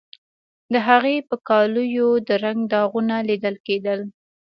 د هغې په کالیو د رنګ داغونه لیدل کیدل